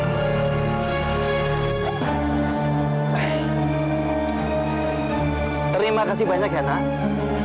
terima kasih banyak ya nak